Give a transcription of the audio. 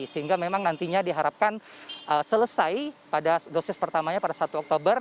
sehingga memang nantinya diharapkan selesai pada dosis pertamanya pada satu oktober